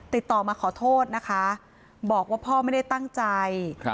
ติดต่อมาขอโทษนะคะบอกว่าพ่อไม่ได้ตั้งใจ